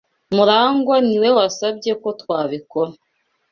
Murangwa niwe wasabye ko twabikora.